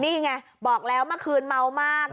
นี่ไงบอกแล้วเมื่อคืนเมามาก